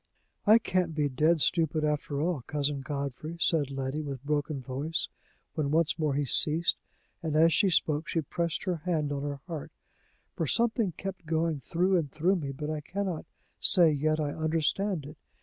"I can't be dead stupid after all, Cousin Godfrey," said Letty, with broken voice, when once more he ceased, and, as she spoke, she pressed her hand on her heart, "for something kept going through and through me; but I can not say yet I understand it.